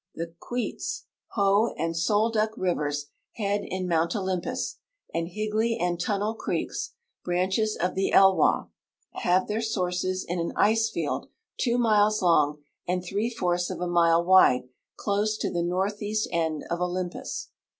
The Queets, Hoh, and Solduck rivers head in mount Olympus, and Higley and Tunnel creeks, branches of the Elwha, have their sources in an ice field two miles long and three fourths of a mile wide close to the northeast end of Olympus.